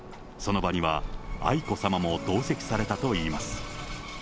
その場には愛子さまも同席されたといいます。